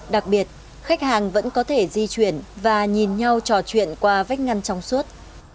đặc biệt khách hàng vẫn có thể di chuyển và nhìn nhau trò chuyện qua vách ngăn trong suốt